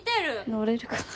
乗れるかな？